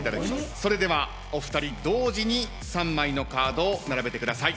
それではお二人同時に３枚のカードを並べてください。